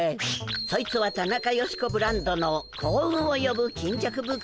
そいつはタナカヨシコブランドの幸運をよぶ巾着袋だよ。